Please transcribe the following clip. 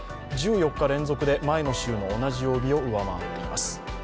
１４日連続で前の週の同じ曜日を上回っています。